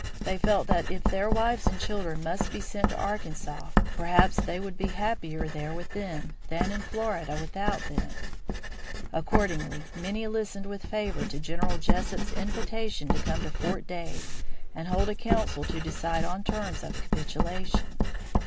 They felt that if their wives and children must be sent to Arkansas perhaps they would be happier there with them than in Florida without them. Accordingly many listened with favor to General Jesup's invitation to come to Fort Dade and hold a council to decide on terms of capitulation.